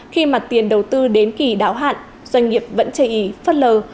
khi mặt tiền đầu tư đến kỳ đảo hạn doanh nghiệp vẫn chê ý phất lờ